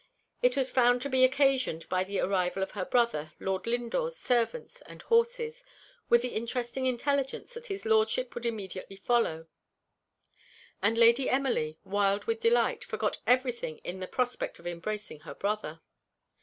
It was found to be occasioned by the arrival of her brother Lord Lindore's servants and horses, with the interesting intelligence that his Lordship would immediately follow; and Lady Emily, wild with delight, forgot everything in the prospect of embracing her brother.